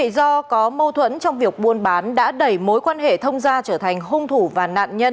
do có mâu thuẫn trong việc buôn bán đã đẩy mối quan hệ thông gia trở thành hung thủ và nạn nhân